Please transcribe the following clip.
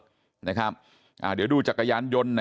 ส่วนเรื่องทางคดีนะครับตำรวจก็มุ่งไปที่เรื่องการฆาตฉิงทรัพย์นะครับ